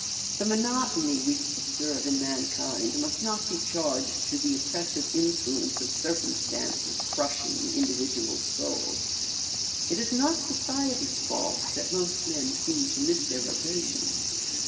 The monotony we observe in mankind must not be charged to the oppressive influence of circumstances crushing the individual soul. It is not society's fault that most men seem to miss their vocation.